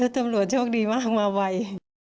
ถือว่าตำรวจโชคดีมากมาวัย